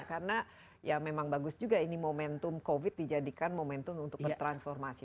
karena ya memang bagus juga ini momentum covid dijadikan momentum untuk bertransformasi